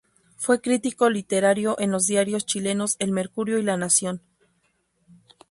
Fue crítico literario en los diarios chilenos El Mercurio y La Nación.